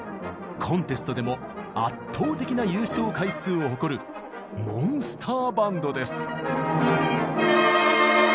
コンテストでも圧倒的な優勝回数を誇るモンスター・バンドです。